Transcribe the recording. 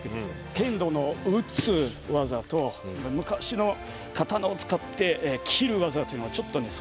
剣道の打つ技と昔の刀を使って斬る技というのはちょっとねそういうところが違う。